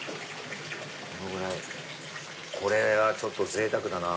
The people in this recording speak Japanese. このぐらいこれはちょっとぜいたくだな。